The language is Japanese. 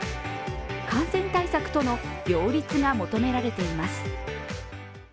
感染対策との両立が求められています。